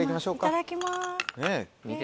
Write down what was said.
いただきます。